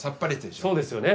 そうですよね。